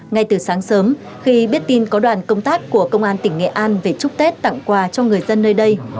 ngay từ sáng sớm khi biết tin có đoàn công tác của công an tỉnh nghệ an về chúc tết tặng quà cho người dân nơi đây